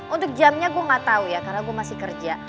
untuk jamnya gue gak tau ya karena gue masih kerja